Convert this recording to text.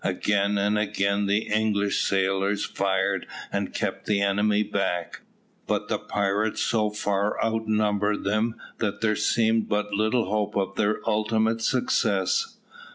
Again and again the English sailors fired and kept the enemy back, but the pirates so far outnumbered them that there seemed but little hope of their ultimate success.